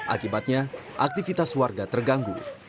akibatnya aktivitas warga terganggu